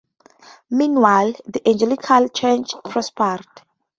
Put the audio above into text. Meanwhile, the Anglican Church prospered.